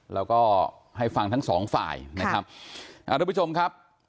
แล้วก็ให้ฟังทั้งสองฝ่ายนะครับอ่าทุกผู้ชมครับ